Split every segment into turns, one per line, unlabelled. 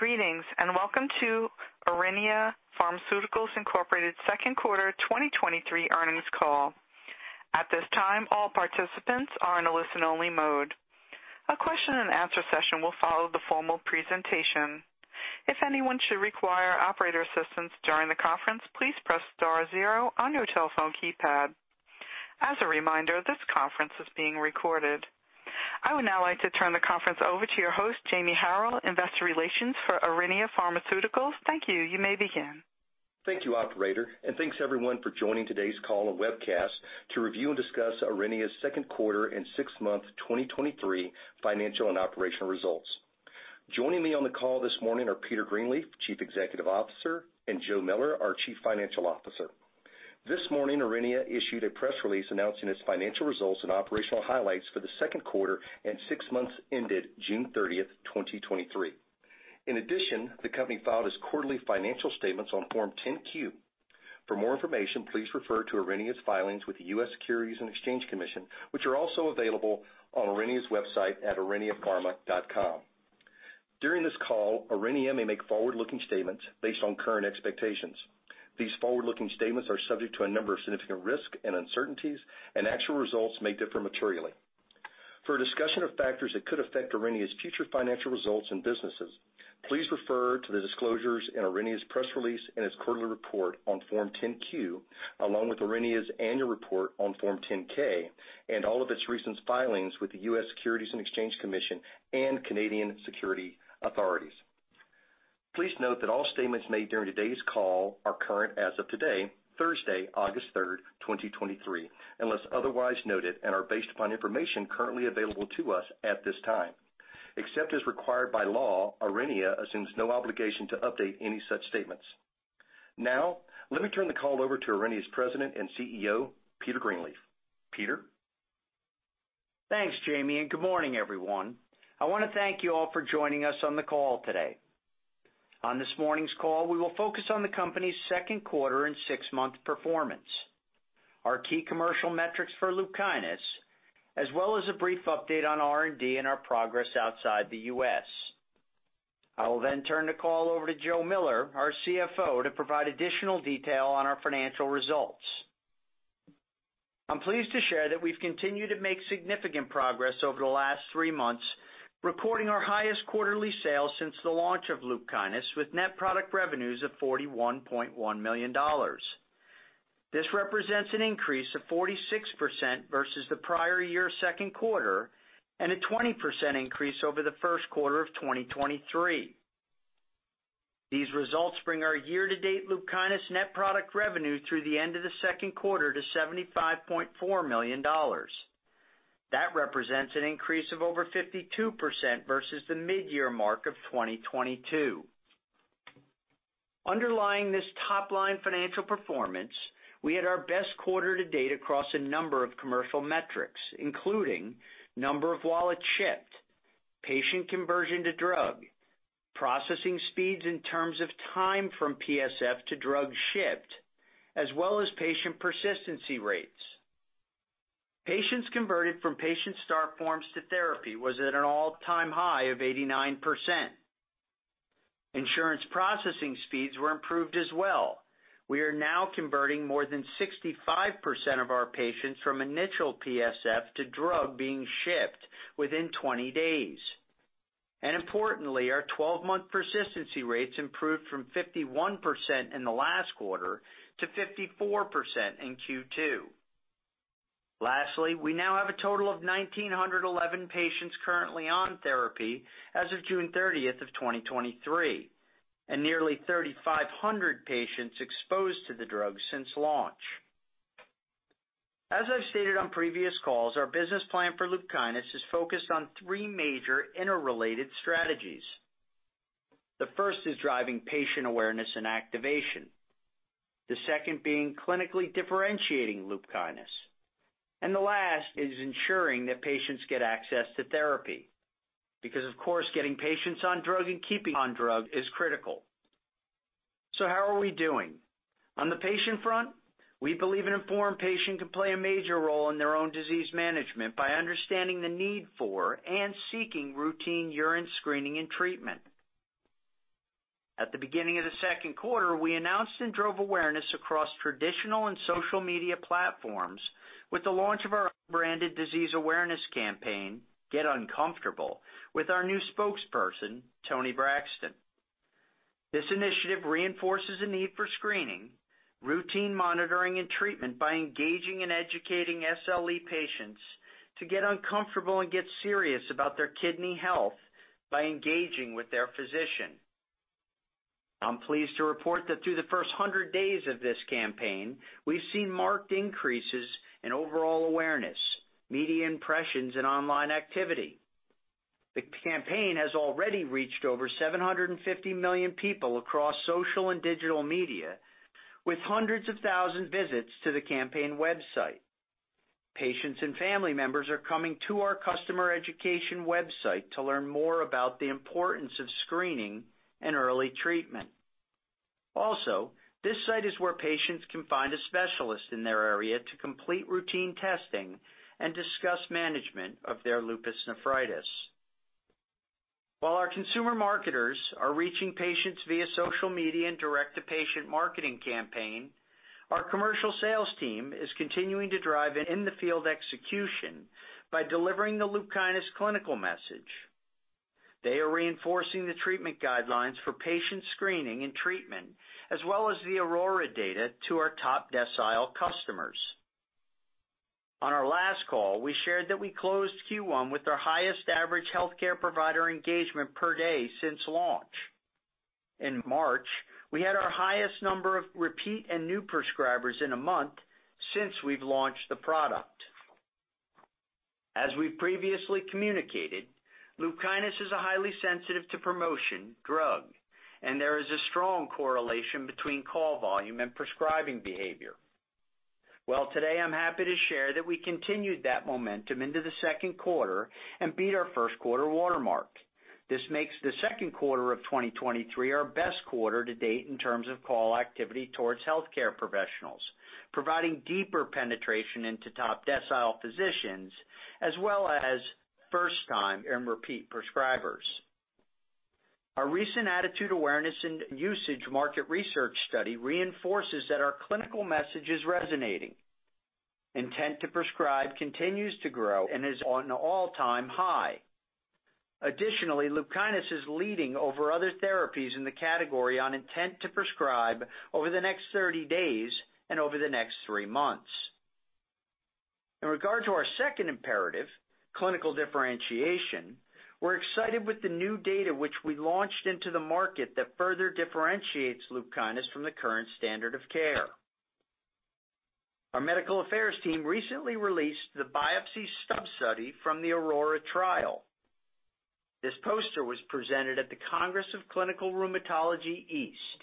Greetings, welcome to Aurinia Pharmaceuticals Incorporated's second quarter 2023 earnings call. At this time, all participants are in a listen-only mode. A question-and-answer session will follow the formal presentation. If anyone should require operator assistance during the conference, please press star zero on your telephone keypad. As a reminder, this conference is being recorded. I would now like to turn the conference over to your host, Jamie Harrell, Investor Relations for Aurinia Pharmaceuticals. Thank you. You may begin.
Thank you, operator, and thanks everyone for joining today's call and webcast to review and discuss Aurinia's second quarter and sixth month 2023 financial and operational results. Joining me on the call this morning are Peter Greenleaf, Chief Executive Officer, and Joe Miller, our Chief Financial Officer. This morning, Aurinia issued a press release announcing its financial results and operational highlights for the second quarter and 6 months ended 30 June 2023. In addition, the company filed its quarterly financial statements on Form 10-Q. For more information, please refer to Aurinia's filings with the US Securities and Exchange Commission, which are also available on Aurinia's website at auriniapharma.com. During this call, Aurinia may make forward-looking statements based on current expectations. These forward-looking statements are subject to a number of significant risks and uncertainties, and actual results may differ materially. For a discussion of factors that could affect Aurinia's future financial results and businesses, please refer to the disclosures in Aurinia's press release and its quarterly report on Form 10-Q, along with Aurinia's Annual Report on Form 10-K and all of its recent filings with the US Securities and Exchange Commission and Canadian Securities Administrators. Please note that all statements made during today's call are current as of today, Thursday, August 3, 2023, unless otherwise noted, and are based upon information currently available to us at this time. Except as required by law, Aurinia assumes no obligation to update any such statements. Now, let me turn the call over to Aurinia's President and CEO, Peter Greenleaf. Peter?
Thanks, Jamie, and good morning, everyone. I want to thank you all for joining us on the call today. On this morning's call, we will focus on the company's second quarter and 6-month performance, our key commercial metrics for LUPKYNIS, as well as a brief update on R&D and our progress outside the US. I will then turn the call over to Joe Miller, our CFO, to provide additional detail on our financial results. I'm pleased to share that we've continued to make significant progress over the last three months, reporting our highest quarterly sales since the launch of LUPKYNIS, with net product revenues of $41.1 million. This represents an increase of 46% versus the prior year's second quarter and a 20% increase over the first quarter of 2023. These results bring our year-to-date LUPKYNIS net product revenue through the end of the second quarter to $75.4 million. That represents an increase of over 52% versus the mid-year mark of 2022. Underlying this top-line financial performance, we had our best quarter to date across a number of commercial metrics, including number of wallets shipped, patient conversion to drug, processing speeds in terms of time from PSF to drugs shipped, as well as patient persistency rates. Patients converted from patient start forms to therapy was at an all-time high of 89%. Insurance processing speeds were improved as well. We are now converting more than 65% of our patients from initial PSF to drug being shipped within 20 days. Importantly, our 12-month persistency rates improved from 51% in the last quarter to 54% in Q2. Lastly, we now have a total of 1,911 patients currently on therapy as of 30 June 2023, and nearly 3,500 patients exposed to the drug since launch. As I've stated on previous calls, our business plan for LUPKYNIS is focused on three major interrelated strategies. The first is driving patient awareness and activation, the second being clinically differentiating LUPKYNIS, and the last is ensuring that patients get access to therapy, because, of course, getting patients on drug and keeping on drug is critical. How are we doing? On the patient front, we believe an informed patient can play a major role in their own disease management by understanding the need for and seeking routine urine screening and treatment. At the beginning of the second quarter, we announced and drove awareness across traditional and social media platforms with the launch of our branded disease awareness campaign, Get Uncomfortable, with our new spokesperson, Toni Braxton. This initiative reinforces the need for screening, routine monitoring, and treatment by engaging and educating SLE patients to get uncomfortable and get serious about their kidney health by engaging with their physician. I'm pleased to report that through the first 100 days of this campaign, we've seen marked increases in overall awareness, media impressions, and online activity. The campaign has already reached over 750 million people across social and digital media, with hundreds of thousand visits to the campaign website. Patients and family members are coming to our customer education website to learn more about the importance of screening and early treatment. Also, this site is where patients can find a specialist in their area to complete routine testing and discuss management of their lupus nephritis. While our consumer marketers are reaching patients via social media and direct-to-patient marketing campaign, our commercial sales team is continuing to drive in the field execution by delivering the LUPKYNIS clinical message. They are reinforcing the treatment guidelines for patient screening and treatment, as well as the AURORA data to our top decile customers. On our last call, we shared that we closed Q1 with our highest average healthcare provider engagement per day since launch. In March, we had our highest number of repeat and new prescribers in a month since we've launched the product. As we previously communicated, LUPKYNIS is a highly sensitive to promotion drug, and there is a strong correlation between call volume and prescribing behavior. Well, today, I'm happy to share that we continued that momentum into the second quarter and beat our first quarter watermark. This makes the second quarter of 2023 our best quarter to date in terms of call activity towards healthcare professionals, providing deeper penetration into top decile physicians, as well as first time and repeat prescribers. Our recent attitude, awareness, and usage market research study reinforces that our clinical message is resonating. Intent to prescribe continues to grow and is on an all-time high. Additionally, LUPKYNIS is leading over other therapies in the category on intent to prescribe over the next 30 days and over the next three months. In regard to our second imperative, clinical differentiation, we're excited with the new data which we launched into the market that further differentiates LUPKYNIS from the current standard of care. Our medical affairs team recently released the biopsy sub-study from the AURORA trial. This poster was presented at the Congress of Clinical Rheumatology East.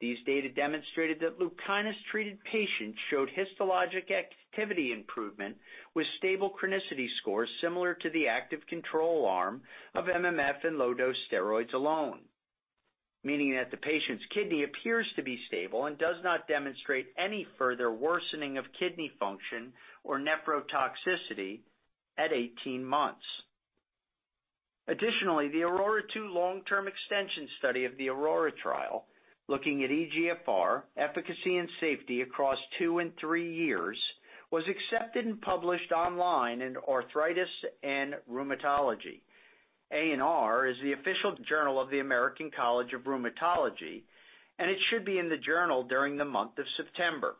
These data demonstrated that LUPKYNIS-treated patients showed histologic activity improvement with stable chronicity scores similar to the active control arm of MMF and low-dose steroids alone, meaning that the patient's kidney appears to be stable and does not demonstrate any further worsening of kidney function or nephrotoxicity at 18 months. Additionally, the AURORA-2 long-term extension study of the AURORA trial, looking at eGFR, efficacy, and safety across two and three years, was accepted and published online in Arthritis & Rheumatology. A&R is the official journal of the American College of Rheumatology. It should be in the journal during the month of September.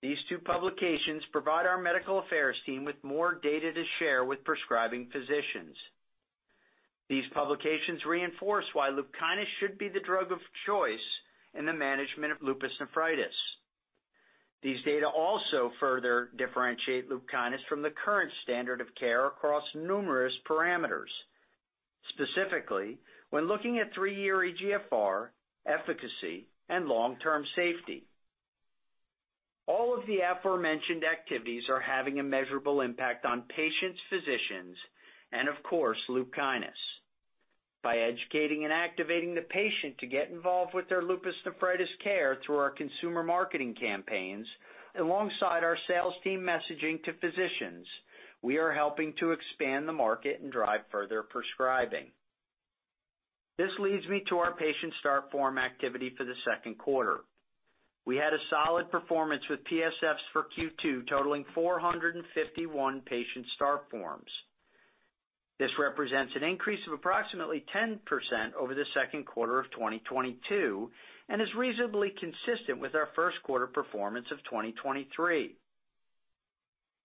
These two publications provide our medical affairs team with more data to share with prescribing physicians. These publications reinforce why LUPKYNIS should be the drug of choice in the management of lupus nephritis. These data also further differentiate LUPKYNIS from the current standard of care across numerous parameters, specifically when looking at three-year eGFR, efficacy, and long-term safety. All of the aforementioned activities are having a measurable impact on patients, physicians, and of course, LUPKYNIS. By educating and activating the patient to get involved with their lupus nephritis care through our consumer marketing campaigns, alongside our sales team messaging to physicians, we are helping to expand the market and drive further prescribing. This leads me to our patient start form activity for the second quarter. We had a solid performance with PSFs for Q2, totaling 451 patient start forms. This represents an increase of approximately 10% over the second quarter of 2022 and is reasonably consistent with our first quarter performance of 2023.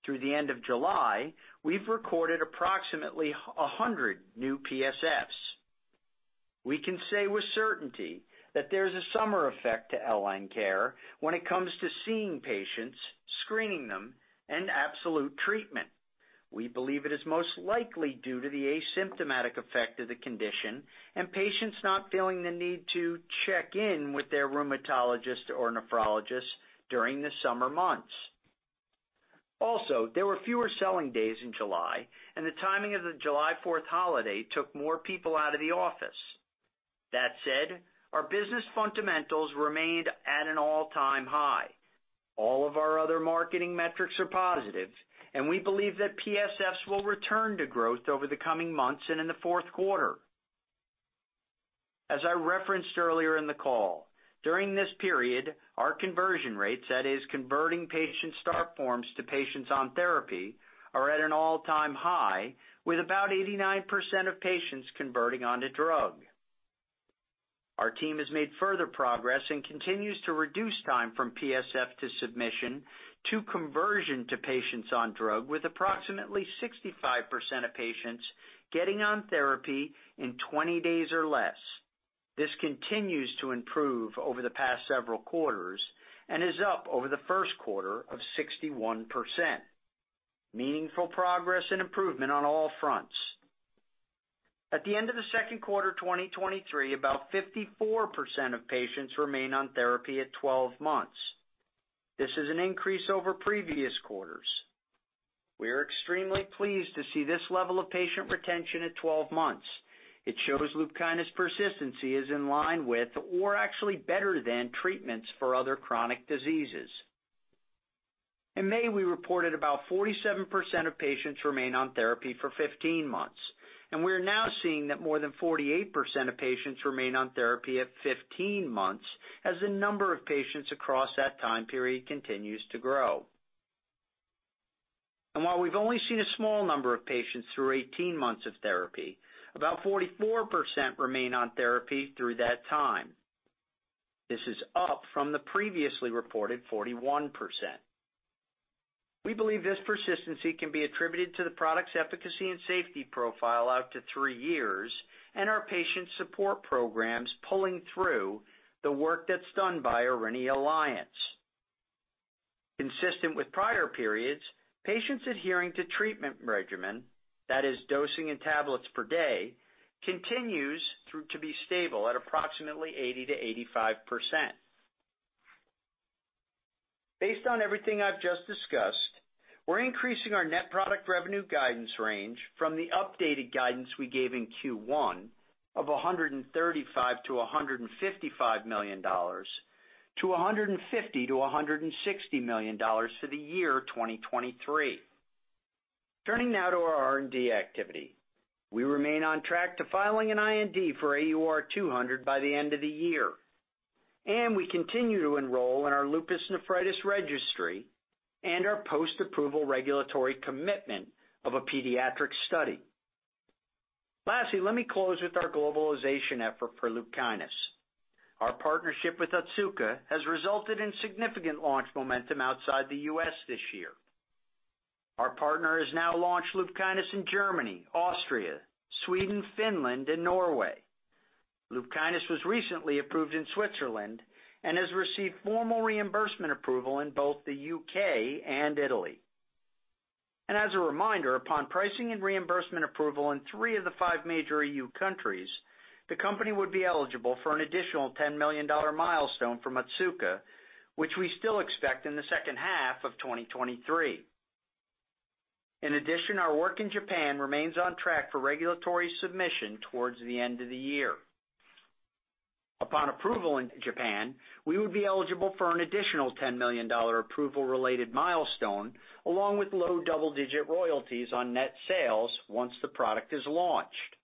Through the end of July, we've recorded approximately 100 new PSFs. We can say with certainty that there's a summer effect to LN care when it comes to seeing patients, screening them, and absolute treatment. We believe it is most likely due to the asymptomatic effect of the condition and patients not feeling the need to check in with their rheumatologist or nephrologist during the summer months. There were fewer selling days in July, and the timing of the 4 July holiday took more people out of the office. That said, our business fundamentals remained at an all-time high. All of our other marketing metrics are positive, and we believe that PSFs will return to growth over the coming months and in the fourth quarter. As I referenced earlier in the call, during this period, our conversion rates, that is, converting patient start forms to patients on therapy, are at an all-time high, with about 89% of patients converting onto drug. Our team has made further progress and continues to reduce time from PSF to submission, to conversion to patients on drug, with approximately 65% of patients getting on therapy in 20 days or less. This continues to improve over the past several quarters and is up over the first quarter of 61%. Meaningful progress and improvement on all fronts. At the end of the second quarter, 2023, about 54% of patients remain on therapy at 12 months. This is an increase over previous quarters. We are extremely pleased to see this level of patient retention at 12 months. It shows LUPKYNIS persistency is in line with, or actually better than, treatments for other chronic diseases. In May, we reported about 47% of patients remain on therapy for 15 months, and we are now seeing that more than 48% of patients remain on therapy at 15 months, as the number of patients across that time period continues to grow. While we've only seen a small number of patients through 18 months of therapy, about 44% remain on therapy through that time. This is up from the previously reported 41%. We believe this persistency can be attributed to the product's efficacy and safety profile out to three years and our patient support programs pulling through the work that's done by Aurinia Alliance. Consistent with prior periods, patients adhering to treatment regimen, that is dosing in tablets per day, continues through to be stable at approximately 80%-85%. Based on everything I've just discussed, we're increasing our net product revenue guidance range from the updated guidance we gave in Q1 of $135 million-$155 million to $150 million-$160 million for the year 2023. Turning now to our R&D activity. We remain on track to filing an IND for AUR200 by the end of the year. We continue to enroll in our lupus nephritis registry and our post-approval regulatory commitment of a pediatric study. Lastly, let me close with our globalization effort for LUPKYNIS. Our partnership with Otsuka has resulted in significant launch momentum outside the US this year. Our partner has now launched Lupkynas in Germany, Austria, Sweden, Finland, and Norway. Lupkynas was recently approved in Switzerland and has received formal reimbursement approval in both the U.K. and Italy. As a reminder, upon pricing and reimbursement approval in three of the five major EU countries, the company would be eligible for an additional $10 million milestone from Otsuka, which we still expect in the second half of 2023. In addition, our work in Japan remains on track for regulatory submission towards the end of the year. Upon approval in Japan, we would be eligible for an additional $10 million approval-related milestone, along with low double-digit royalties on net sales once the product is launched.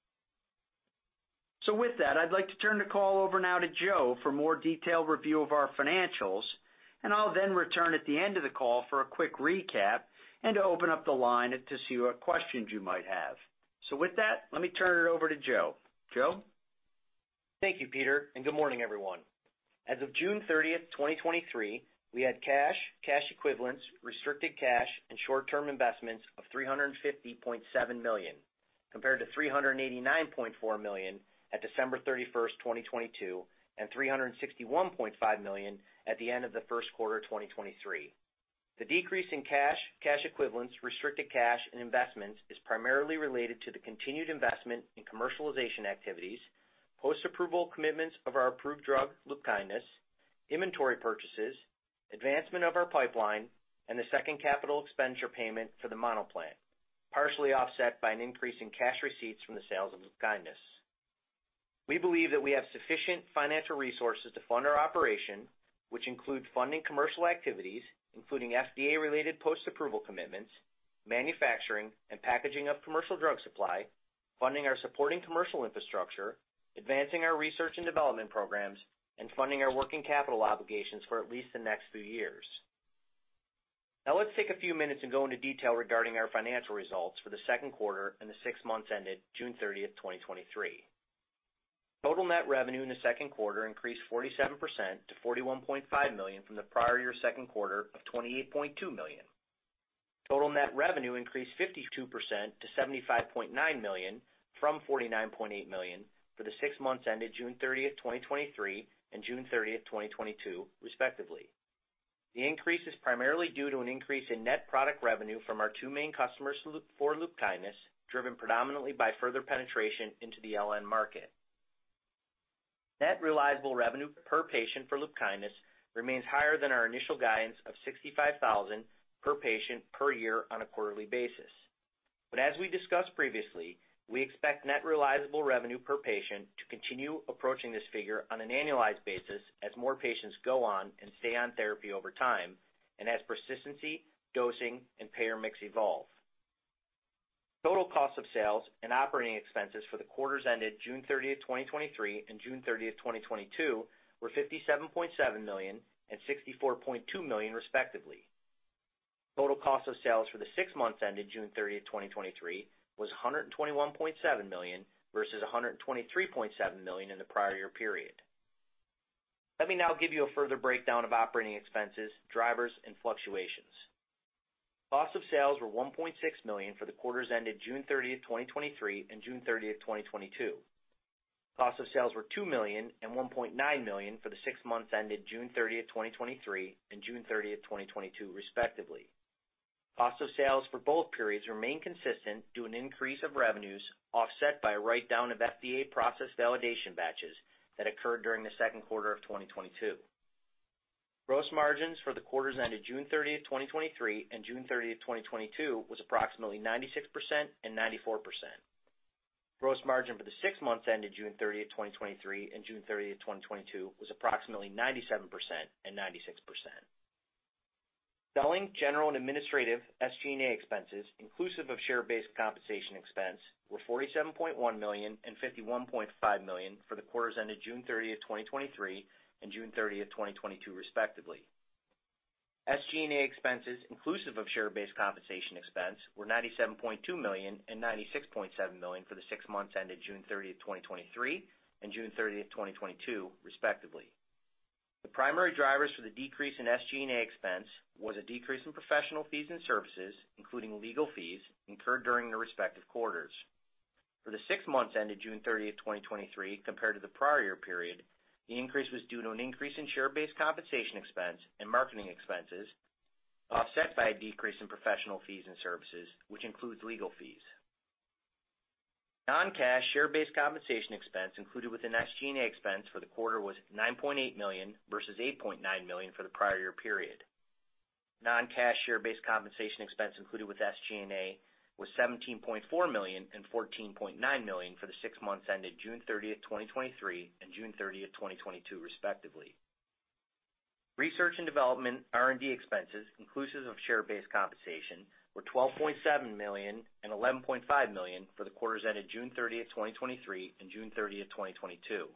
With that, I'd like to turn the call over now to Joe for a more detailed review of our financials, and I'll then return at the end of the call for a quick recap and to open up the line to see what questions you might have. With that, let me turn it over to Joe. Joe?
Thank you, Peter. Good morning, everyone. As of 30 June 2023, we had cash, cash equivalents, restricted cash, and short-term investments of $350.7 million, compared to $389.4 million at 31 December 2022, and $361.5 million at the end of the first quarter of 2023. The decrease in cash, cash equivalents, restricted cash, and investments is primarily related to the continued investment in commercialization activities, post-approval commitments of our approved drug, LUPKYNIS, inventory purchases, advancement of our pipeline, and the second capital expenditure payment for the monoplant, partially offset by an increase in cash receipts from the sales of LUPKYNIS. We believe that we have sufficient financial resources to fund our operation, which include funding commercial activities, including FDA-related post-approval commitments, manufacturing and packaging of commercial drug supply, funding our supporting commercial infrastructure, advancing our research and development programs, and funding our working capital obligations for at least the next few years. Let's take a few minutes and go into detail regarding our financial results for the second quarter and the six months ended 30 June 2023. Total net revenue in the second quarter increased 47% to $41.5 million from the prior year second quarter of $28.2 million. Total net revenue increased 52% to $75.9 million from $49.8 million for the six months ended 30 June 2023, and 30 June 2022, respectively. The increase is primarily due to an increase in net product revenue from our two main customers for LUPKYNIS, driven predominantly by further penetration into the LN market. Net reliable revenue per patient for LUPKYNIS remains higher than our initial guidance of $65,000 per patient per year on a quarterly basis. As we discussed previously, we expect net realizable revenue per patient to continue approaching this figure on an annualized basis as more patients go on and stay on therapy over time and as persistency, dosing, and payer mix evolve. Total cost of sales and operating expenses for the quarters ended 30 June 2023, and 30 June 2022, were $57.7 million and $64.2 million, respectively. Total cost of sales for the six months ended 30 June 2023, was $121.7 million versus $123.7 million in the prior year period. Let me now give you a further breakdown of operating expenses, drivers, and fluctuations. Cost of sales were $1.6 million for the quarters ended 30 June 2023, and 30 June 2022. Cost of sales were $2 million and $1.9 million for the six months ended 30 June 2023, and 30 June 2022, respectively. Cost of sales for both periods remain consistent due to an increase of revenues, offset by a write-down of FDA process validation batches that occurred during the 2Q of 2022. Gross margins for the quarters ended 30 June 2023, and 30 June 2022, was approximately 96% and 94%.Gross margin for the six months ended 30 June 2023, and 30 June 2022, was approximately 97% and 96%. Selling, general, and administrative, SG&A expenses, inclusive of share-based compensation expense, were $47.1 million and $51.5 million for the quarters ended 30 June 2023, and 30 June 2022, respectively. SG&A expenses, inclusive of share-based compensation expense, were $97.2 million and $96.7 million for the six months ended 30 June 2023, and 30 June 2022, respectively. The primary drivers for the decrease in SG&A expense was a decrease in professional fees and services, including legal fees, incurred during the respective quarters. For the six months ended 30 June 2023, compared to the prior year period, the increase was due to an increase in share-based compensation expense and marketing expenses, offset by a decrease in professional fees and services, which includes legal fees. Non-cash share-based compensation expense included within SG&A expense for the quarter was $9.8 million versus $8.9 million for the prior year period. Non-cash share-based compensation expense included with SG&A was $17.4 million and $14.9 million for the six months ended 30 June 2023, and 30 June 2022, respectively. Research and development, R&D expenses, inclusive of share-based compensation, were $12.7 million and $11.5 million for the quarters ended 30 June 2023, and 30 June 2022.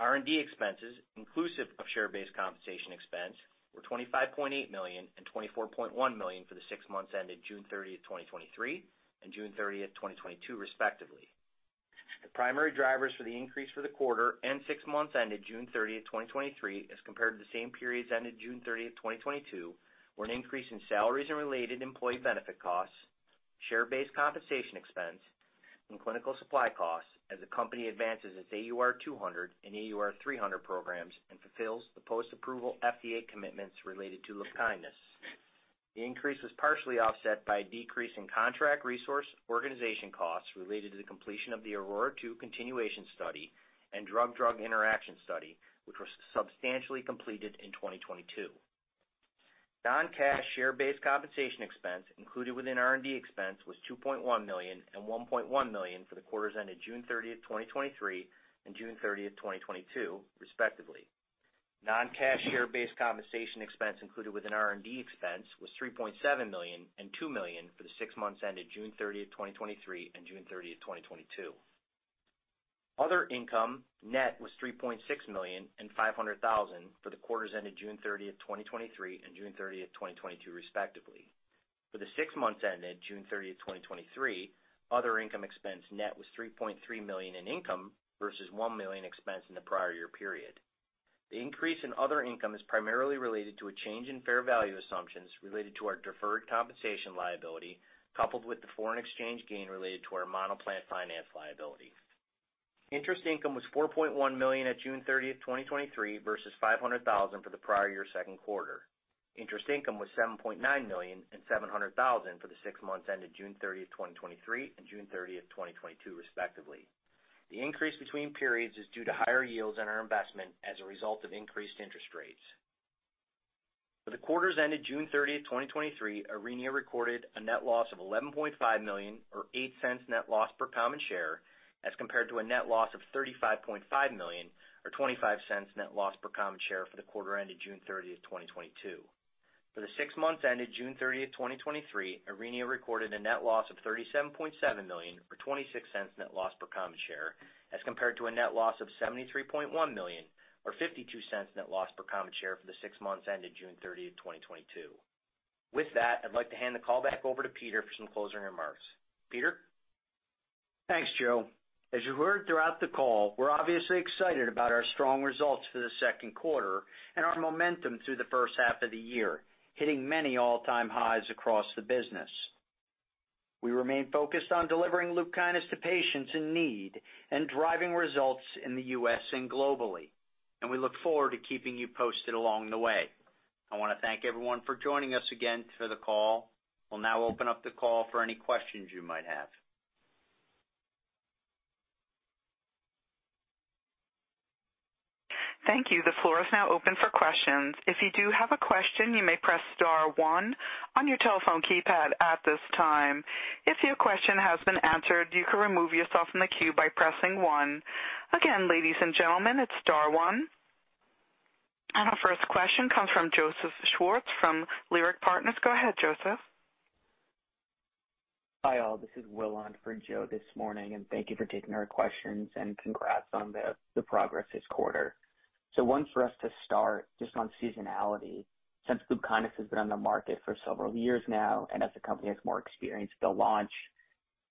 R&D expenses, inclusive of share-based compensation expense, were $25.8 million and $24.1 million for the six months ended 30 June 2023, and 30 June 2022, respectively. The primary drivers for the increase for the quarter and six months ended 30 June 2023, as compared to the same periods ended 30 June 2022, were an increase in salaries and related employee benefit costs, share-based compensation expense, and clinical supply costs as the company advances its AUR200 and AUR300 programs and fulfills the post-approval FDA commitments related to LUPKYNIS. The increase was partially offset by a decrease in contract research organization costs related to the completion of the AURORA 2 continuation study and drug-drug interaction study, which was substantially completed in 2022. Non-cash share-based compensation expense included within R&D expense was $2.1 million and $1.1 million for the quarters ended 30 June 2023, and 30 June 2022, respectively. Non-cash share-based compensation expense included within R&D expense was $3.7 million and $2 million for the six months ended 30 June 2023, and 30 June 2022. Other income net was $3.6 million and $500,000 for the quarters ended 30 June 2023, and 30 June 2022, respectively. For the six months ended 30 June 2023, other income expense net was $3.3 million in income versus $1 million expense in the prior year period. The increase in other income is primarily related to a change in fair value assumptions related to our deferred compensation liability, coupled with the foreign exchange gain related to our monoplant finance liability. Interest income was $4.1 million at 30 June 2023, versus $500,000 for the prior year second quarter. Interest income was $7.9 million and $700,000 for the six months ended 30 June 2023, and 30 June 2022, respectively. The increase between periods is due to higher yields on our investment as a result of increased interest rates. For the quarters ended 30 June 2023, Aurinia recorded a net loss of $11.5 million, or $0.08 net loss per common share, as compared to a net loss of $35.5 million, or $0.25 net loss per common share for the quarter ended 30 June 2022. For the six months ended 30 June 2023, Aurinia recorded a net loss of $37.7 million, or $0.26 net loss per common share, as compared to a net loss of $73.1 million, or $0.52 net loss per common share for the six months ended 30 June 2022. With that, I'd like to hand the call back over to Peter for some closing remarks. Peter?
Thanks, Joe. As you heard throughout the call, we're obviously excited about our strong results for the second quarter and our momentum through the first half of the year, hitting many all-time highs across the business. We remain focused on delivering LUPKYNIS to patients in need and driving results in the US and globally. We look forward to keeping you posted along the way. I wanna thank everyone for joining us again for the call. We'll now open up the call for any questions you might have.
Thank you. The floor is now open for questions. If you do have a question, you may press star one on your telephone keypad at this time. If your question has been answered, you can remove yourself from the queue by pressing one. Again, ladies and gentlemen, it's star one. Our first question comes from Joseph Schwartz from Leerink Partners. Go ahead, Joseph.
Hi, all. This is Will on for Joe this morning. Thank you for taking our questions, and congrats on the progress this quarter. One for us to start, just on seasonality. Since LUPKYNIS has been on the market for several years now, as the company has more experience with the launch,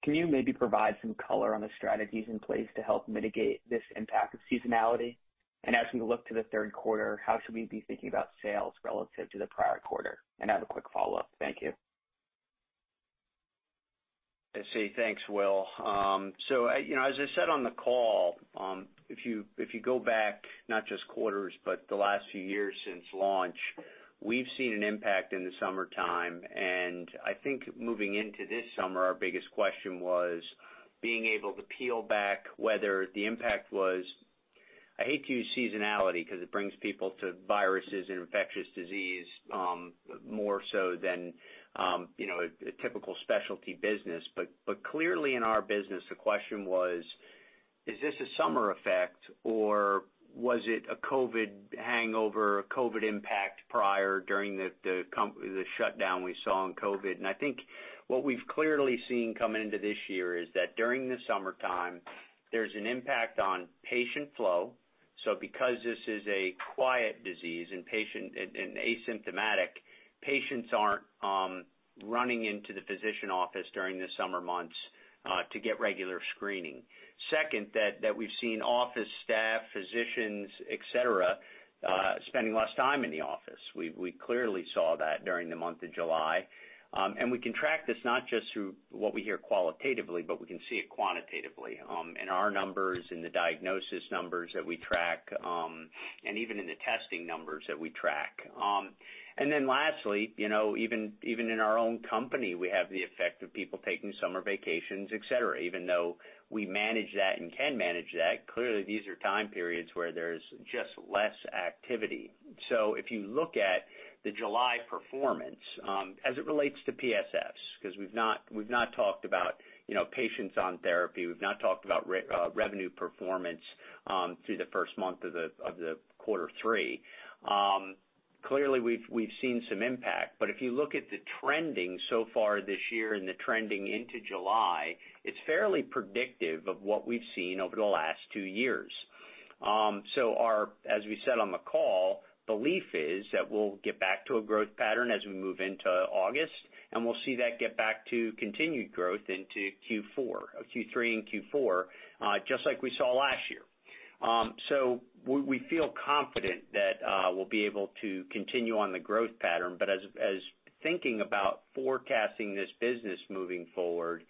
can you maybe provide some color on the strategies in place to help mitigate this impact of seasonality? As we look to the third quarter, how should we be thinking about sales relative to the prior quarter? I have a quick follow-up. Thank you.
I see. Thanks, Will. You know as I said on the call, if you, if you go back not just quarters, but the last few years since launch. We've seen an impact in the summertime. I think moving into this summer, our biggest question was being able to peel back whether the impact was, I hate to use seasonality because it brings people to viruses and infectious disease, more so than, you know, a, a typical specialty business. But clearly in our business, the question was, is this a summer effect, or was it a COVID hangover, a COVID impact prior during the shutdown we saw in COVID? I think what we've clearly seen coming into this year is that during the summertime, there's an impact on patient flow. Because this is a quiet disease and patient and asymptomatic, patients aren't running into the physician office during the summer months to get regular screening. Second, that, that we've seen office staff, physicians, et cetera, spending less time in the office. We clearly saw that during the month of July. We can track this not just through what we hear qualitatively, but we can see it quantitatively, in our numbers, in the diagnosis numbers that we track, and even in the testing numbers that we track. Then lastly, you know, even in our own company, we have the effect of people taking summer vacations, et cetera. Even though we manage that and can manage that, clearly, these are time periods where there's just less activity. If you look at the July performance, as it relates to PSFs, 'cause we've not, we've not talked about, you know, patients on therapy, we've not talked about re- revenue performance, through the first month of the, of the quarter three. Clearly, we've, we've seen some impact, but if you look at the trending so far this year and the trending into July, it's fairly predictive of what we've seen over the last two years. Our, as we said on the call, belief is that we'll get back to a growth pattern as we move into August, and we'll see that get back to continued growth into Q4, Q3 and Q4, just like we saw last year. We, we feel confident that we'll be able to continue on the growth pattern, but as, as thinking about forecasting this business moving forward,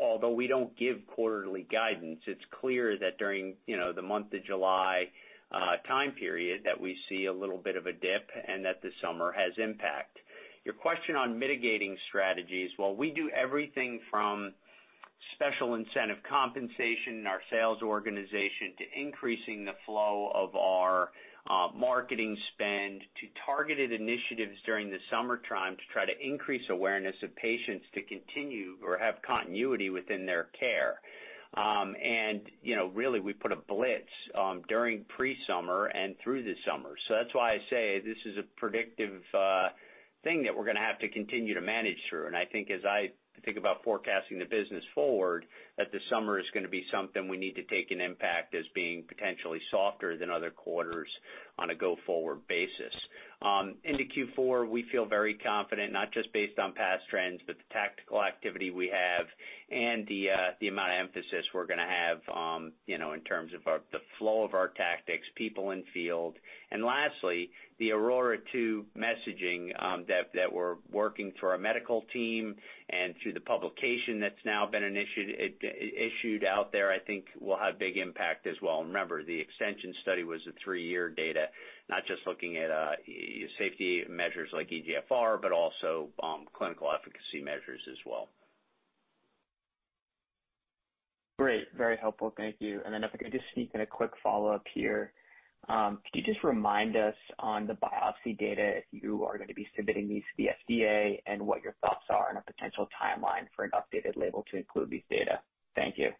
although we don't give quarterly guidance, it's clear that during, you know, the month of July, time period, that we see a little bit of a dip and that the summer has impact. Your question on mitigating strategies, well, we do everything from special incentive compensation in our sales organization, to increasing the flow of our marketing spend, to targeted initiatives during the summertime to try to increase awareness of patients to continue or have continuity within their care. And, you know, really, we put a blitz during pre-summer and through the summer. That's why I say this is a predictive thing that we're gonna have to continue to manage through. I think as I think about forecasting the business forward, that the summer is gonna be something we need to take an impact as being potentially softer than other quarters on a go-forward basis. Into Q4, we feel very confident, not just based on past trends, but the tactical activity we have and the amount of emphasis we're gonna have, you know, in terms of the flow of our tactics, people in field. Lastly, the AURORA 2 messaging, that, that we're working through our medical team and through the publication that's now been issued out there, I think will have big impact as well. Remember, the extension study was a three-year data, not just looking at safety measures like eGFR, but also clinical efficacy measures as well.
Great. Very helpful. Thank you. Then if I could just sneak in a quick follow-up here. Could you just remind us on the biopsy data, if you are going to be submitting these to the FDA and what your thoughts are on a potential timeline for an updated label to include these data? Thank you.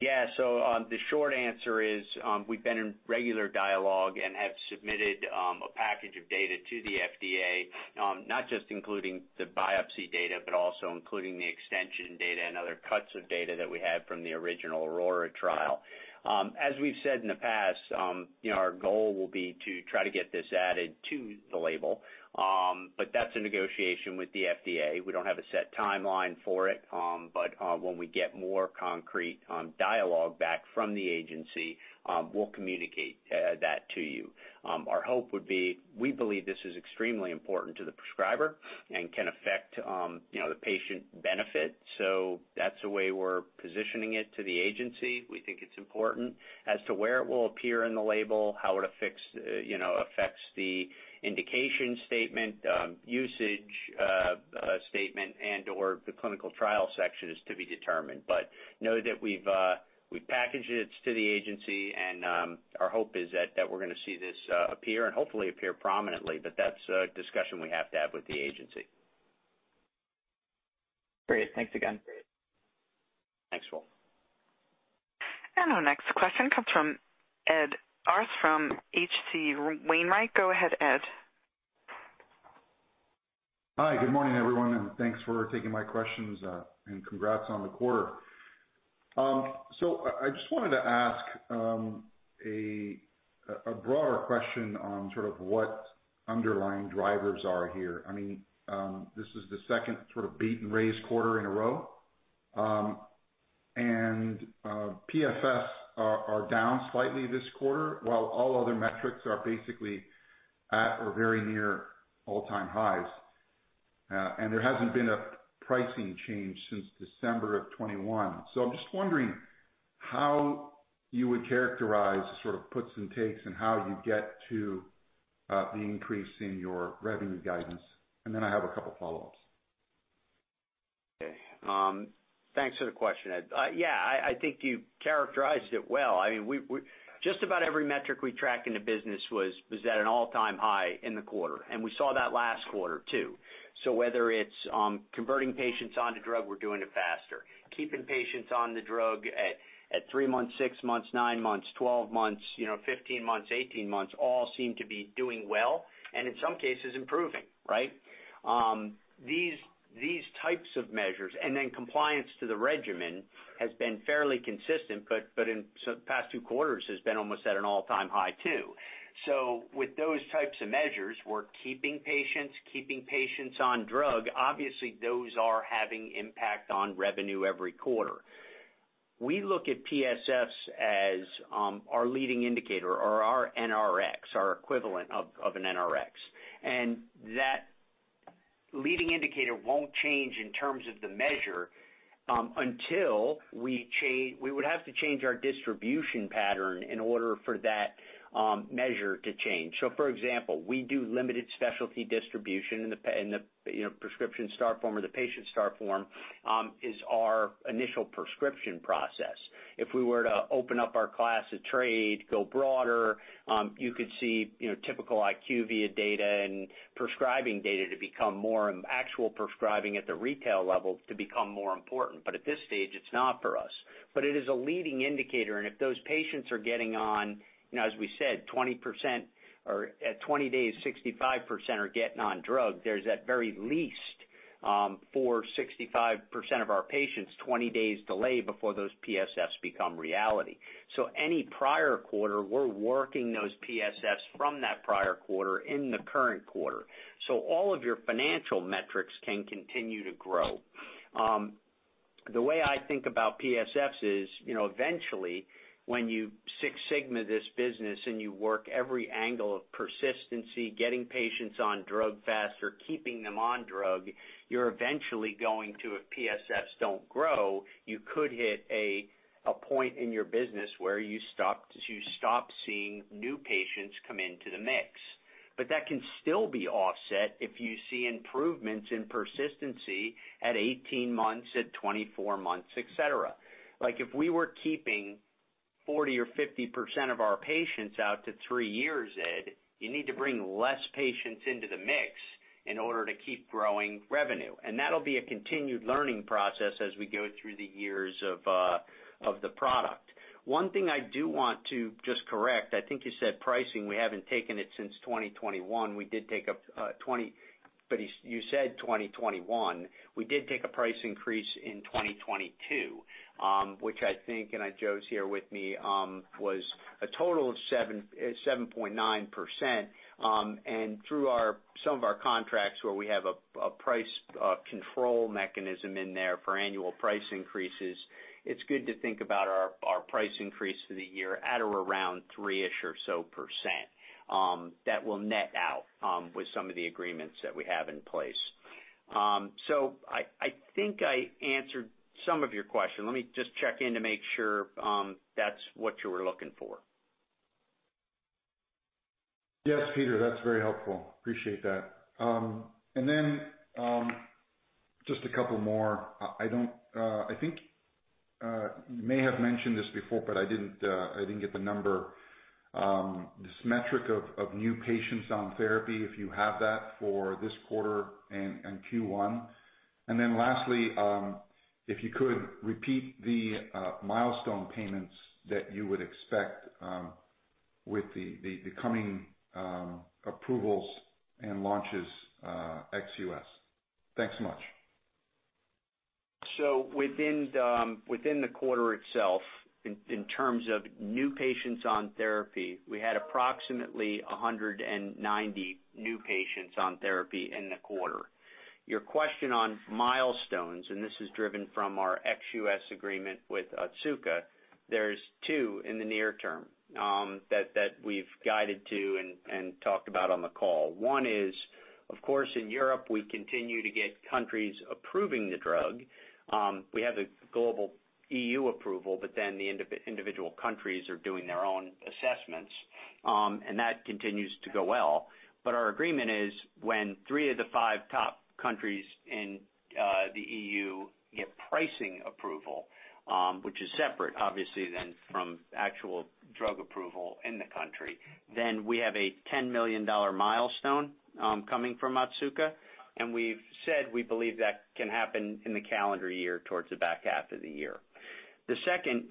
Yeah. The short answer is, we've been in regular dialogue and have submitted a package of data to the FDA, not just including the biopsy data, but also including the extension data and other cuts of data that we had from the original AURORA trial. As we've said in the past, you know, our goal will be to try to get this added to the label, but that's a negotiation with the FDA. We don't have a set timeline for it, but when we get more concrete dialogue back from the agency, we'll communicate that to you. Our hope would be, we believe this is extremely important to the prescriber and can affect, you know, the patient benefit. That's the way we're positioning it to the agency. We think it's important. As to where it will appear in the label, how it affects, you know, affects the indication statement, usage statement, and/or the clinical trial section is to be determined. Know that we've packaged it to the agency, and our hope is that, that we're gonna see this appear and hopefully appear prominently, but that's a discussion we have to have with the agency.
Great. Thanks again.
Thanks, Will.
Our next question comes from Ed Arce from H.C. Wainwright. Go ahead, Ed.
Hi, good morning, everyone, and thanks for taking my questions, and congrats on the quarter. I, I just wanted to ask a broader question on sort of what underlying drivers are here. I mean, this is the second sort of beat and raise quarter in a row. PSFs are, are down slightly this quarter, while all other metrics are basically at or very near all-time highs. There hasn't been a pricing change since December of 2021. I'm just wondering how you would characterize the sort of puts and takes, and how you get to the increase in your revenue guidance. Then I have a couple follow-ups.
Okay. Thanks for the question, Ed. Yeah, I, I think you characterized it well. I mean, we, we just about every metric we track in the business was, was at an all-time high in the quarter, and we saw that last quarter, too. Whether it's, converting patients on to drug, we're doing it faster. Keeping patients on the drug at, at three months, six months, nine months, 12 months, you know, 15 months, 18 months, all seem to be doing well, and in some cases improving, right? These, these types of measures, and then compliance to the regimen has been fairly consistent, but, but in the past two quarters has been almost at an all-time high, too. With those types of measures, we're keeping patients, keeping patients on drug. Obviously, those are having impact on revenue every quarter. We look at PSFs as our leading indicator or our NRX, our equivalent of, of an NRX. That leading indicator won't change in terms of the measure, until we would have to change our distribution pattern in order for that measure to change. For example, we do limited specialty distribution in the, you know, prescription start form or the patient start form is our initial prescription process. If we were to open up our class of trade, go broader, you could see, you know, typical IQVIA data and prescribing data to become more, actual prescribing at the retail level to become more important. At this stage, it's not for us. It is a leading indicator, and if those patients are getting on, you know, as we said, 20% or at 20 days, 65% are getting on drug, there's at very least for 65% of our patients, 20 days delay before those PSFs become reality. Any prior quarter, we're working those PSFs from that prior quarter in the current quarter. All of your financial metrics can continue to grow. The way I think about PSFs is, you know, eventually, when you Six Sigma this business and you work every angle of persistency, getting patients on drug faster, keeping them on drug, you're eventually going to, if PSFs don't grow, you could hit a point in your business where you stop, you stop seeing new patients come into the mix. That can still be offset if you see improvements in persistency at 18 months, at 24 months, et cetera. Like, if we were keeping 40% or 50% of our patients out to three years, Ed, you need to bring less patients into the mix in order to keep growing revenue. That'll be a continued learning process as we go through the years of the product. One thing I do want to just correct, I think you said pricing, we haven't taken it since 2021. We did take a, but you, you said 2021. We did take a price increase in 2022, which I think, Joe's here with me, was a total of 7.9%. Through our, some of our contracts where we have a, a price control mechanism in there for annual price increases, it's good to think about our, our price increase for the year at or around 3%, that will net out with some of the agreements that we have in place. I, I think I answered some of your question. Let me just check in to make sure that's what you were looking for.
Yes, Peter, that's very helpful. Appreciate that. Just a couple more. I don't, i think, you may have mentioned this before, but I didn't, I didn't get the number. This metric of new patients on therapy, if you have that for this quarter and Q1? Lastly, if you could repeat the milestone payments that you would expect with the coming approvals and launches ex-US? Thanks so much.
Within the quarter itself, in terms of new patients on therapy, we had approximately 190 new patients on therapy in the quarter. Your question on milestones, and this is driven from our ex-US agreement with Otsuka, there's 2 in the near term we've guided to and talked about on the call. One is, of course, in Europe, we continue to get countries approving the drug. We have a global EU approval, but then the individual countries are doing their own assessments, and that continues to go well. Our agreement is when three of the five top countries in the EU get pricing approval, which is separate, obviously, than from actual drug approval in the country, then we have a $10 million milestone coming from Otsuka, and we've said we believe that can happen in the calendar year, towards the back half of the year. The second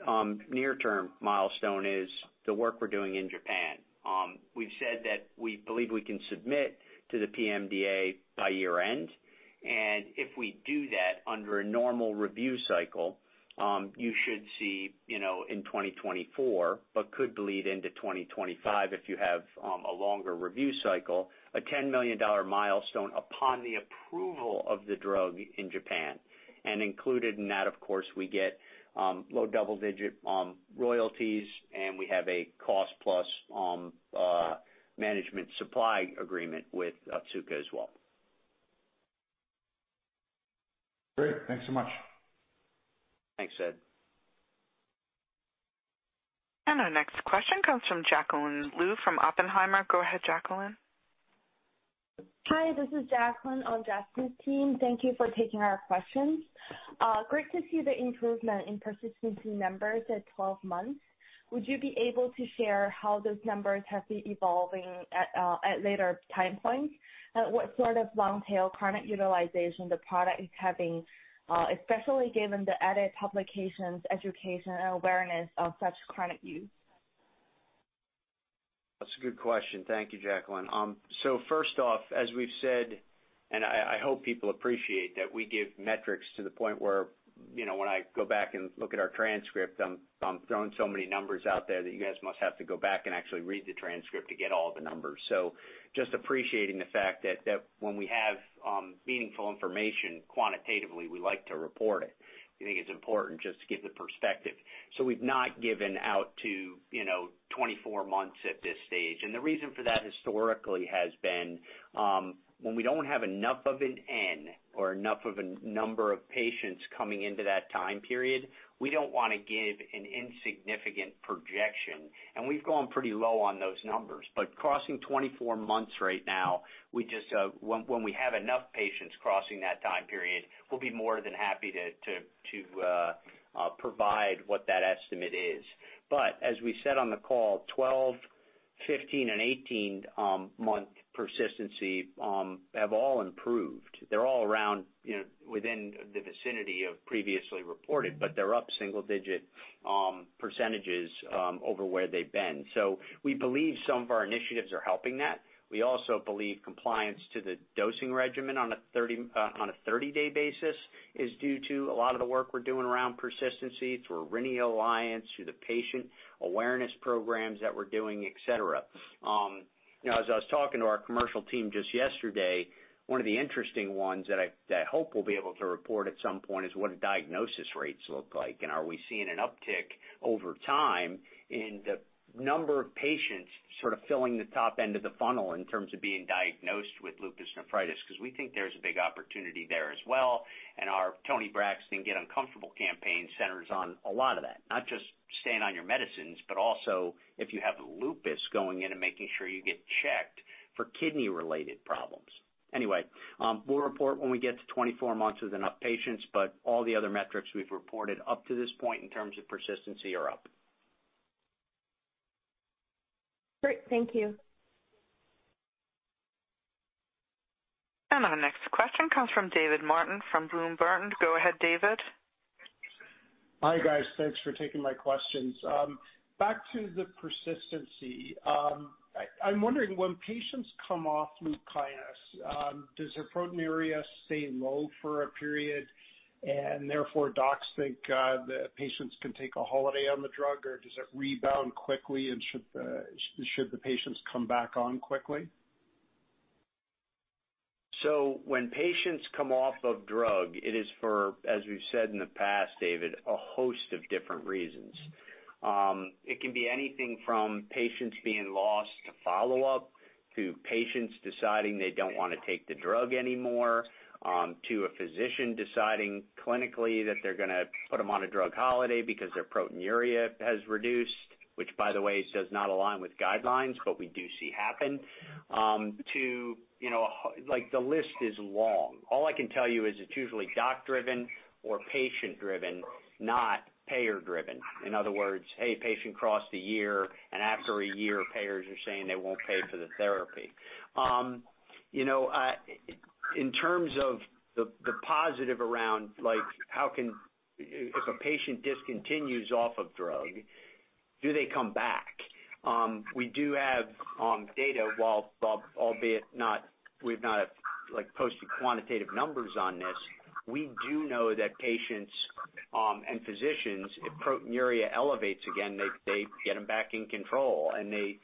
near-term milestone is the work we're doing in Japan. We've said that we believe we can submit to the PMDA by year-end, and if we do that under a normal review cycle, you should see, you know, in 2024, but could bleed into 2025 if you have a longer review cycle, a $10 million milestone upon the approval of the drug in Japan. Included in that, of course, we get, low double-digit, royalties, and we have a cost-plus, management supply agreement with Otsuka as well.
Great, thanks so much.
Thanks, Ed.
Our next question comes from Jacqueline Lu from Oppenheimer. Go ahead, Jacqueline.
Hi, this is Jacqueline on Justin Kim. Thank you for taking our questions. Great to see the improvement in persistency numbers at 12 months. Would you be able to share how those numbers have been evolving at later time points? What sort of long tail chronic utilization the product is having, especially given the added publications, education, and awareness of such chronic use?
That's a good question. Thank you, Jacqueline. First off, as we've said, and I, I hope people appreciate that we give metrics to the point where, you know, when I go back and look at our transcript, I'm, I'm throwing so many numbers out there that you guys must have to go back and actually read the transcript to get all the numbers. Just appreciating the fact that, that when we have meaningful information quantitatively, we like to report it. We think it's important just to give the perspective. We've not given out to, you know, 24 months at this stage, and the reason for that historically has been when we don't have enough of an N or enough of a number of patients coming into that time period, we don't wanna give an insignificant projection, and we've gone pretty low on those numbers. Crossing 24 months right now, we just when, when we have enough patients crossing that time period, we'll be more than happy to, to, to provide what that estimate is. As we said on the call, 12, 15, and 18 month persistency have all improved. They're all around, you know, within the vicinity of previously reported, but they're up single-digit percentages over where they've been. We believe some of our initiatives are helping that. We also believe compliance to the dosing regimen on a 30, on a 30-day basis is due to a lot of the work we're doing around persistency, through Aurinia Alliance, through the patient awareness programs that we're doing, et cetera. You know, as I was talking to our commercial team just yesterday, one of the interesting ones that I, that I hope we'll be able to report at some point is what diagnosis rates look like, and are we seeing an uptick over time in the number of patients sort of filling the top end of the funnel in terms of being diagnosed with lupus nephritis? Because we think there's a big opportunity there as well, and our Toni Braxton Get Uncomfortable campaign centers on a lot of that. Not just staying on your medicines, but also if you have lupus, going in and making sure you get checked for kidney-related problems. Anyway, we'll report when we get to 24 months with enough patients, but all the other metrics we've reported up to this point in terms of persistency are up.
Great, thank you.
Our next question comes from David Martin from Bloom Burton. Go ahead, David.
Hi, guys. Thanks for taking my questions. back to the persistency. I'm wondering, when patients come off LUPKYNIS, does their proteinuria stay low for a period, and therefore docs think, the patients can take a holiday on the drug, or does it rebound quickly, and should the patients come back on quickly?
When patients come off of drug, it is for, as we've said in the past, David, a host of different reasons. It can be anything from patients being lost to follow-up, to patients deciding they don't want to take the drug anymore, to a physician deciding clinically that they're gonna put them on a drug holiday because their proteinuria has reduced, which, by the way, does not align with guidelines, but we do see happen. To, you know, the list is long. All I can tell you is it's usually doc-driven or patient-driven, not payer-driven. In other words, "Hey, patient, cross the year," and after a year, payers are saying they won't pay for the therapy. You know, in terms of the positive around, how can if a patient discontinues off of drug, do they come back? We do have data, while, but albeit not, we've not, like, posted quantitative numbers on this. We do know that patients, and physicians, if proteinuria elevates again, they, they get them back in control, and they,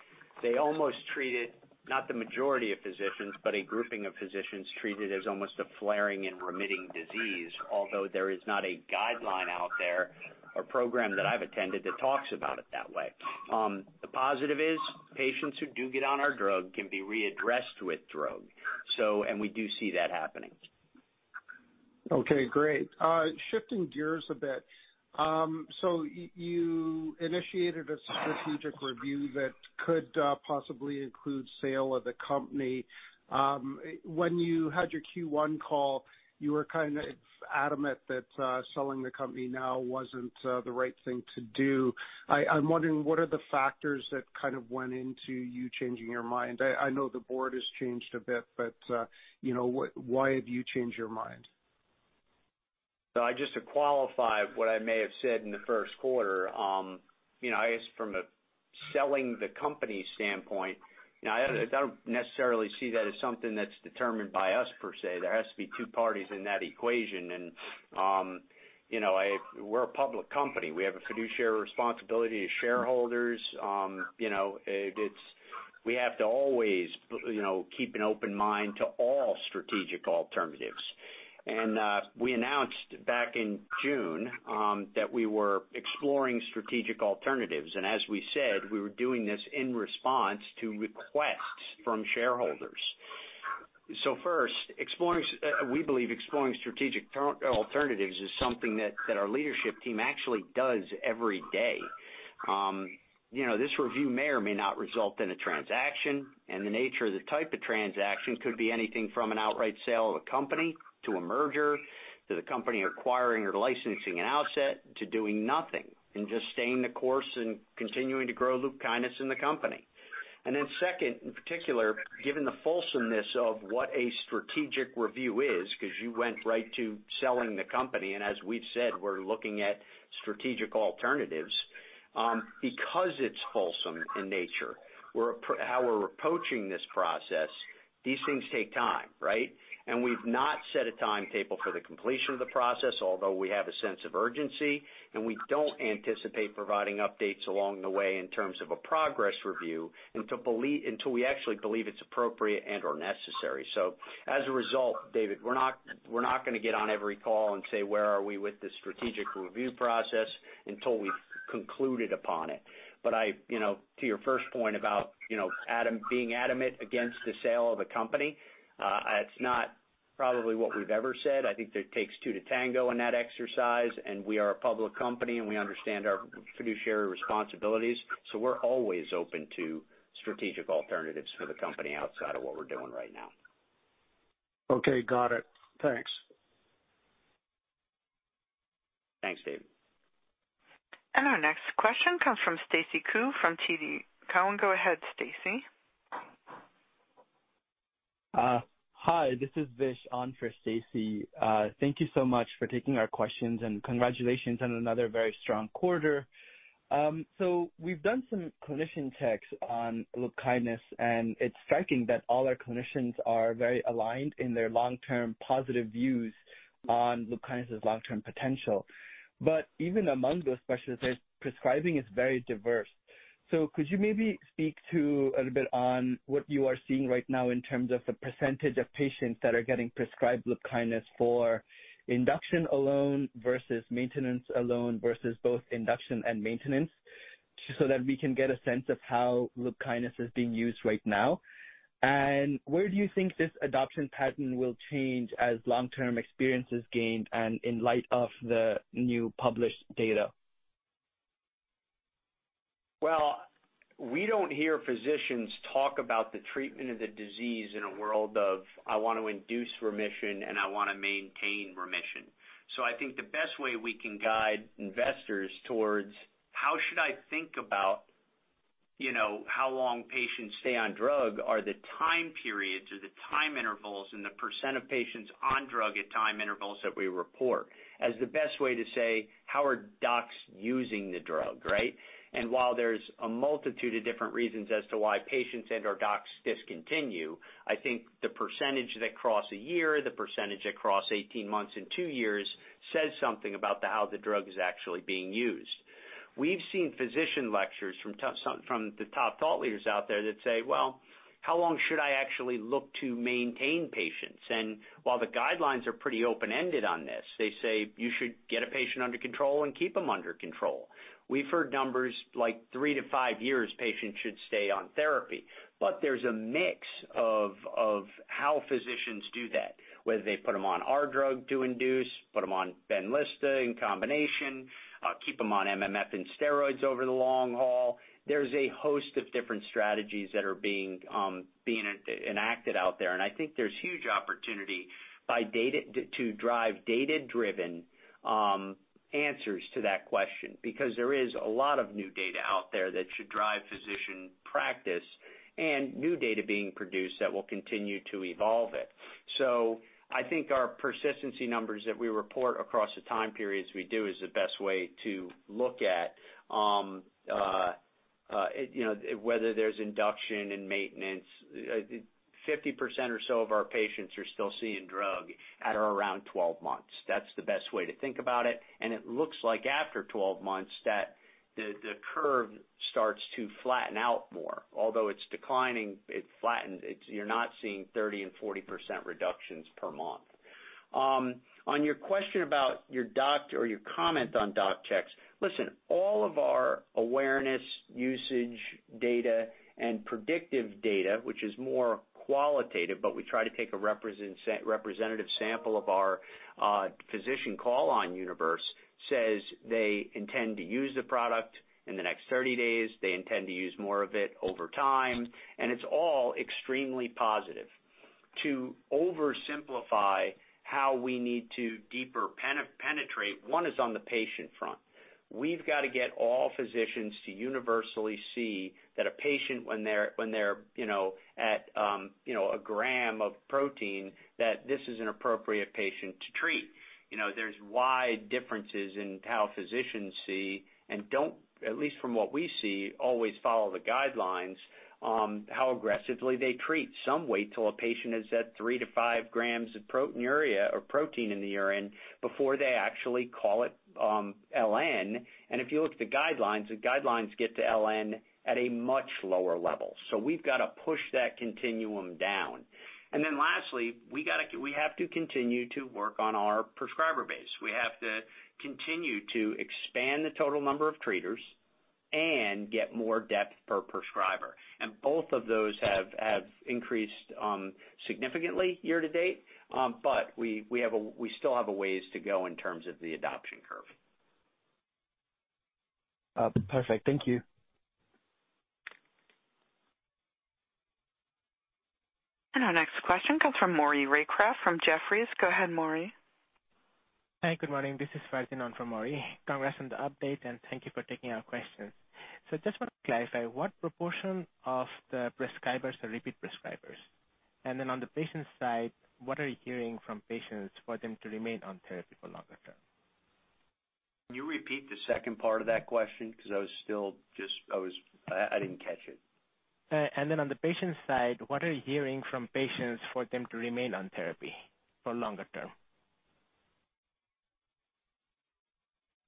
they almost treat it, not the majority of physicians, but a grouping of physicians treat it as almost a flaring and remitting disease, although there is not a guideline out there or program that I've attended that talks about it that way. The positive is, patients who do get on our drug can be readdressed with drug. We do see that happening.
Okay, great. Shifting gears a bit. You initiated a strategic review that could possibly include sale of the company. When you had your Q1 call, you were kind of adamant that selling the company now wasn't the right thing to do. I'm wondering, what are the factors that kind of went into you changing your mind? I know the board has changed a bit. You know, why, why have you changed your mind?
Just to qualify what I may have said in the first quarter, you know, I guess from a selling the company standpoint, you know, I, I don't necessarily see that as something that's determined by us per se. There has to be two parties in that equation. You know, we're a public company. We have a fiduciary responsibility to shareholders. You know, we have to always, you know, keep an open mind to all strategic alternatives. We announced back in June that we were exploring strategic alternatives, and as we said, we were doing this in response to requests from shareholders. First, we believe exploring strategic alternatives is something that, that our leadership team actually does every day. You know, this review may or may not result in a transaction, and the nature of the type of transaction could be anything from an outright sale of a company to a merger, to the company acquiring or licensing an outset, to doing nothing and just staying the course and continuing to grow LUPKYNIS in the company. Second, in particular, given the fulsomeness of what a strategic review is, 'cause you went right to selling the company, and as we've said, we're looking at strategic alternatives. Because it's fulsome in nature, we're how we're approaching this process, these things take time, right? We've not set a timetable for the completion of the process, although we have a sense of urgency, and we don't anticipate providing updates along the way in terms of a progress review, until we actually believe it's appropriate and/or necessary. As a result, David, we're not, we're not gonna get on every call and say, where are we with the strategic review process until we've concluded upon it. I, you know, to your first point about, you know, being adamant against the sale of the company, it's not probably what we've ever said. I think it takes two to tango in that exercise, and we are a public company, and we understand our fiduciary responsibilities, so we're always open to strategic alternatives for the company outside of what we're doing right now.
Okay, got it. Thanks.
Thanks, David.
Our next question comes from Stacy Ku, from TD Cowen. Go ahead, Stacy.
Hi, this is Vish on for Stacy. Thank you so much for taking our questions, and congratulations on another very strong quarter. We've done some clinician checks on LUPKYNIS, and it's striking that all our clinicians are very aligned in their long-term positive views on LUPKYNIS's long-term potential. Even among those specialists, their prescribing is very diverse. Could you maybe speak to a little bit on what you are seeing right now in terms of the percentage of patients that are getting prescribed LUPKYNIS for induction alone, versus maintenance alone, versus both induction and maintenance, so that we can get a sense of how LUPKYNIS is being used right now? Where do you think this adoption pattern will change as long-term experience is gained and in light of the new published data?
We don't hear physicians talk about the treatment of the disease in a world of, I want to induce remission, and I wanna maintain remission. I think the best way we can guide investors towards how should I think about, you know, how long patients stay on drug, are the time periods or the time intervals and the % of patients on drug at time intervals that we report, as the best way to say, how are docs using the drug, right? While there's a multitude of different reasons as to why patients and/or docs discontinue, I think the % that cross a year, the % that cross 18 months and two years, says something about how the drug is actually being used. We've seen physician lectures from the top thought leaders out there that say, "Well, how long should I actually look to maintain patients?" While the guidelines are pretty open-ended on this, they say, "You should get a patient under control and keep them under control." We've heard numbers like three to five years, patients should stay on therapy. There's a mix of how physicians do that, whether they put them on our drug to induce, put them on Benlysta in combination, keep them on MMF and steroids over the long haul. There's a host of different strategies that are being enacted out there. I think there's huge opportunity by data, to drive data-driven answers to that question, because there is a lot of new data out there that should drive physician practice and new data being produced that will continue to evolve it. I think our persistency numbers that we report across the time periods we do, is the best way to look at, you know, whether there's induction and maintenance. 50% or so of our patients are still seeing drug at or around 12 months. That's the best way to think about it, and it looks like after 12 months, that the curve starts to flatten out more. Although it's declining, it flattened. You're not seeing 30% and 40% reductions per month. On your question about your doctor or your comment on doc checks. Listen, all of our awareness, usage, data and predictive data, which is more qualitative, but we try to take a representative sample of our physician call-on universe, says they intend to use the product in the next 30 days. They intend to use more of it over time, it's all extremely positive. To oversimplify how we need to deeper penetrate, 1 is on the patient front. We've got to get all physicians to universally see that a patient, when they're, when they're at 1 gram of protein, that this is an appropriate patient to treat. You know, there's wide differences in how physicians see and don't, at least from what we see, always follow the guidelines on how aggressively they treat. Some wait till a patient is at three to five grams of proteinuria or protein in the urine before they actually call it, LN. If you look at the guidelines, the guidelines get to LN at a much lower level. We've got to push that continuum down. Lastly, we have to continue to work on our prescriber base. We have to continue to expand the total number of treaters and get more depth per prescriber. Both of those have, have increased significantly year to date, but we still have a ways to go in terms of the adoption curve.
Perfect. Thank you.
Our next question comes from Maury Raycroft from Jefferies. Go ahead, Maury.
Hi, good morning. This is Farzin from Maury. Congrats on the update, and thank you for taking our questions. Just want to clarify, what proportion of the prescribers are repeat prescribers? Then on the patient side, what are you hearing from patients for them to remain on therapy for longer term?
Can you repeat the second part of that question? Because I was still just, I didn't catch it.
On the patient side, what are you hearing from patients for them to remain on therapy for longer term?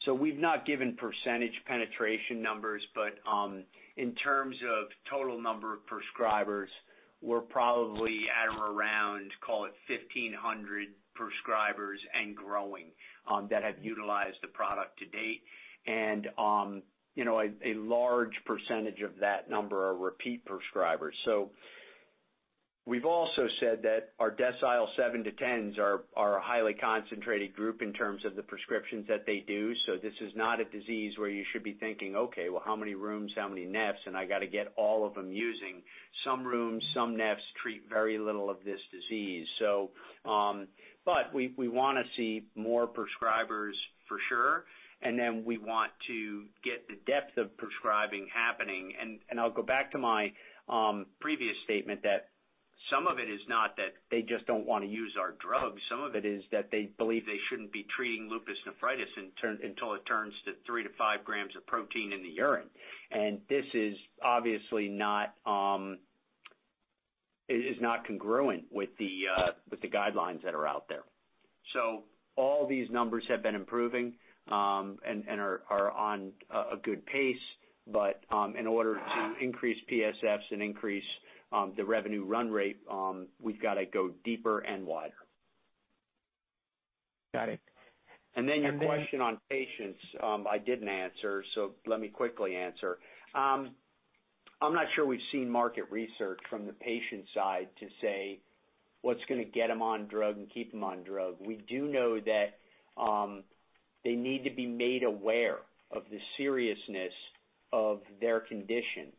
We've not given percentage penetration numbers, but in terms of total number of prescribers, we're probably at or around, call it 1,500 prescribers and growing, that have utilized the product to date. You know, a large percentage of that number are repeat prescribers. We've also said that our decile 7-10s are a highly concentrated group in terms of the prescriptions that they do. This is not a disease where you should be thinking, "Okay, well, how many rheums, how many nephs, and I got to get all of them using." Some rheums, some nephs, treat very little of this disease. We, we wanna see more prescribers for sure, and then we want to get the depth of prescribing happening. I'll go back to my previous statement that some of it is not that they just don't wanna use our drug. Some of it is that they believe they shouldn't be treating lupus nephritis until it turns to 3-5 grams of protein in the urine. It is not congruent with the guidelines that are out there. All these numbers have been improving and are on a good pace. In order to increase PSFs and increase the revenue run rate, we've got to go deeper and wider.
Got it.
Your question on patients, I didn't answer, so let me quickly answer. I'm not sure we've seen market research from the patient side to say what's gonna get them on drug and keep them on drug. We do know that they need to be made aware of the seriousness of their condition.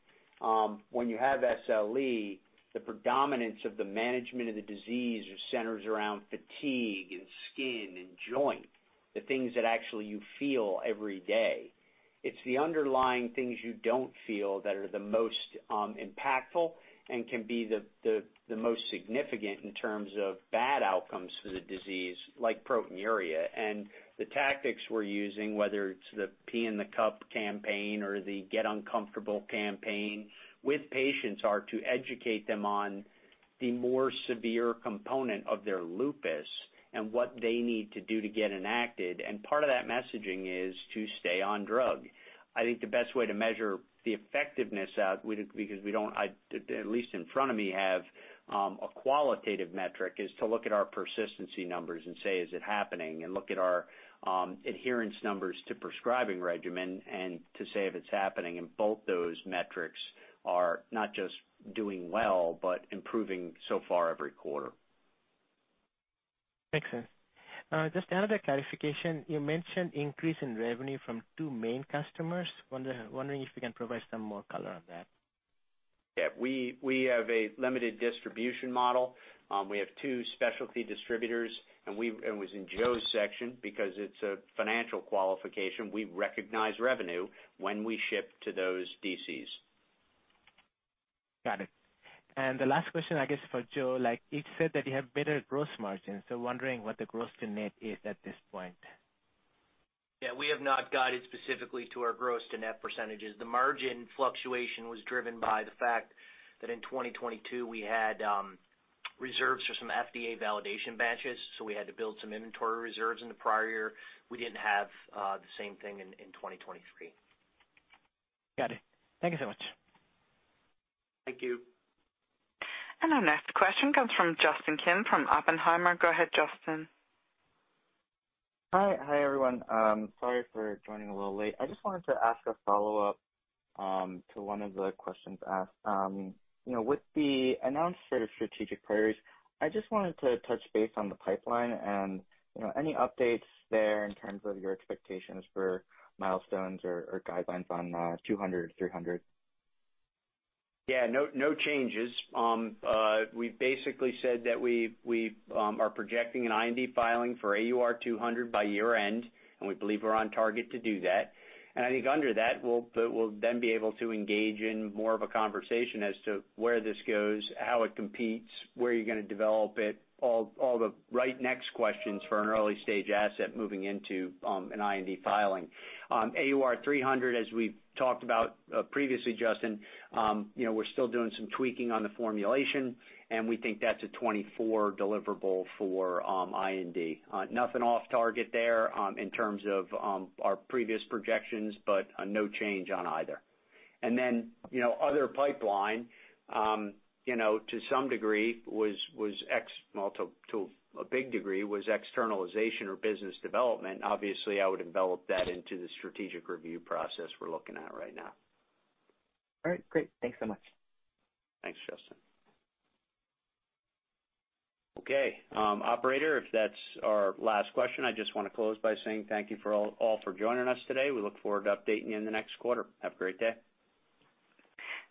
When you have SLE, the predominance of the management of the disease just centers around fatigue and skin and joint, the things that actually you feel every day. It's the underlying things you don't feel that are the most impactful and can be the, the, the most significant in terms of bad outcomes for the disease, like proteinuria. The tactics we're using, whether it's the pee in the cup campaign or the Get Uncomfortable campaign, with patients, are to educate them on the more severe component of their lupus and what they need to do to get enacted, and part of that messaging is to stay on drug. I think the best way to measure the effectiveness out, because we don't I, at least in front of me, have a qualitative metric, is to look at our persistency numbers and say, "Is it happening?" Look at our adherence numbers to prescribing regimen and to say if it's happening. Both those metrics are not just doing well, but improving so far every quarter.
Makes sense. Just another clarification. You mentioned increase in revenue from two main customers. Wondering if you can provide some more color on that?
Yeah, we, we have a limited distribution model. We have two specialty distributors. It was in Joe's section because it's a financial qualification. We recognize revenue when we ship to those DCs.
Got it. The last question, I guess, for Joe, like, it said that you have better gross margins, so wondering what the gross to net is at this point?
Yeah, we have not guided specifically to our gross to net percentages. The margin fluctuation was driven by the fact that in 2022, we had reserves for some FDA validation batches, so we had to build some inventory reserves in the prior year. We didn't have the same thing in 2023.
Got it. Thank you so much.
Thank you.
Our next question comes from Justin Kim, from Oppenheimer. Go ahead, Justin.
Hi. Hi, everyone. Sorry for joining a little late. I just wanted to ask a follow-up to one of the questions asked. You know, with the announced set of strategic priorities, I just wanted to touch base on the pipeline and, you know, any updates there in terms of your expectations for milestones or, or guidelines on AUR200, AUR300?
Yeah, no, no changes. We basically said that we, we, are projecting an IND filing for AUR200 by year-end, and we believe we're on target to do that. I think under that, we'll, we'll then be able to engage in more of a conversation as to where this goes, how it competes, where you're gonna develop it, all, all the right next questions for an early-stage asset moving into, an IND filing. AUR300, as we've talked about, previously, Justin, you know, we're still doing some tweaking on the formulation, and we think that's a 2024 deliverable for IND. Nothing off target there, in terms of our previous projections, no change on either. Then, you know, other pipeline, you know, to some degree, was Well, to a big degree, was externalization or business development. Obviously, I would envelop that into the strategic review process we're looking at right now.
All right, great. Thanks so much.
Thanks, Justin. Okay, operator, if that's our last question, I just want to close by saying thank you for all, all for joining us today. We look forward to updating you in the next quarter. Have a great day.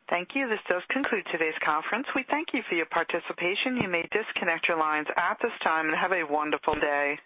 Thank you. This does conclude today's conference. We thank you for your participation. You may disconnect your lines at this time and have a wonderful day.